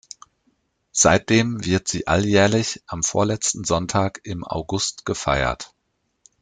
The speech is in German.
Seitdem wird sie alljährlich am vorletzten Sonntag im August gefeiert.